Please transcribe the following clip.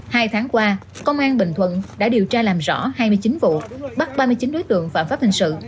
hai tháng qua công an bình thuận đã điều tra làm rõ hai mươi chín vụ bắt ba mươi chín đối tượng phạm pháp hình sự